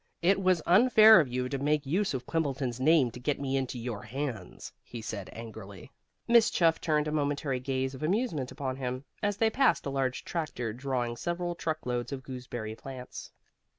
"It was unfair of you to make use of Quimbleton's name to get me into your hands," he said angrily. Miss Chuff turned a momentary gaze of amusement upon him, as they passed a large tractor drawing several truckloads of gooseberry plants.